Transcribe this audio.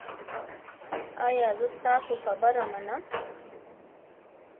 ایا زه ستاسو خبره منم؟